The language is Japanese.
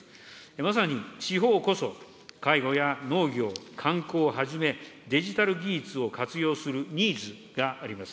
まさに地方こそ、介護や農業、観光をはじめ、デジタル技術を活用するニーズがあります。